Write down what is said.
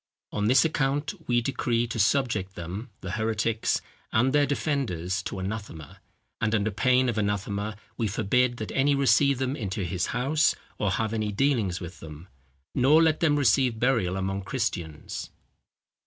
On this account we decree to subject them (the heretics) and their defenders to anathema: and, under pain of anathema, we forbid that any receive them into his house, or have any dealings with them. Nor let them receive burial among Christians."